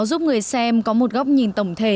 giúp người xem có một góc nhìn tổng thể